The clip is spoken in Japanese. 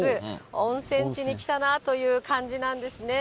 温泉地に来たなという感じなんですね。